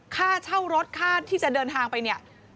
ค่าเช่ารถค่าที่จะเดินทางไปเนี่ย